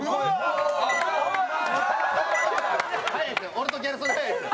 俺とギャル曽根早いですよ。